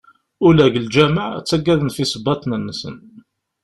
Ula deg lǧameɛ ttagaden ɣef yisebbaḍen-nsen.